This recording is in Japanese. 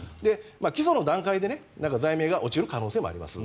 起訴の段階で罪名が落ちる可能性があります。